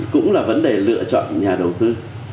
cũng là vấn đề lựa chọn nhà đầu tư